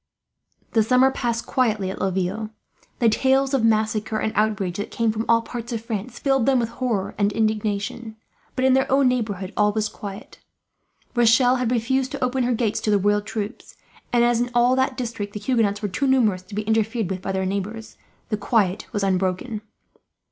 The summer passed quietly at Laville. The tales of massacre and outrage, that came from all parts of France, filled them with horror and indignation; but in their own neighbourhood, all was quiet. Rochelle had refused to open her gates to the royal troops and, as in all that district the Huguenots were too numerous to be interfered with by their neighbours, the quiet was unbroken.